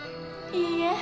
いいえ。